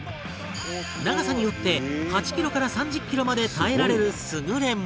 長さによって８キロから３０キロまで耐えられる優れもの